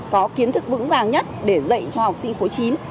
có kiến thức vững vàng nhất để dạy cho học sinh khối chín